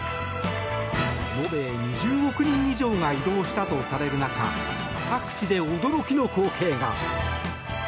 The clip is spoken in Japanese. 延べ２０億人以上が移動したとされる中各地で驚きの光景が。